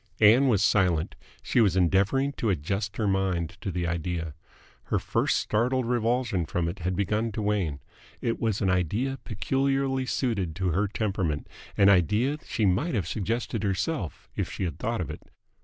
Ann was silent. She was endeavouring to adjust her mind to the idea. Her first startled revulsion from it had begun to wane. It was an idea peculiarly suited to her temperament, an idea that she might have suggested herself if she had thought of it.